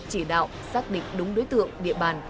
cùng việc chỉ đạo xác định đúng đối tượng địa bàn